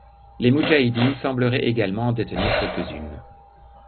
Les Moudjahidines sembleraient également en détenir quelques-unes.